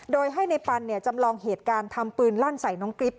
โดยให้ในปันจำลองเหตุการณ์ทำปืนลั่นใส่น้องกริ๊บ